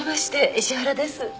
石原です。